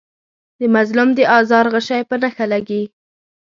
د مظلوم د آزار غشی په نښه لګي.